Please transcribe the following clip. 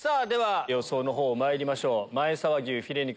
予想の方まいりましょう。